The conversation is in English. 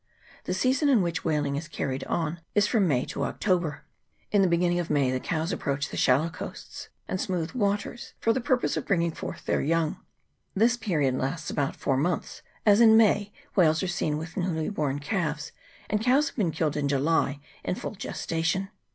The season in which whaling is carried on is from May to Oc tober. In the beginning of May the cows approach the shallow coasts and smooth waters for the pur pose of bringing forth their young. This period lasts about four months, as in May w r hales are seen with newly born calves, and cows have been killed in July in full gestation.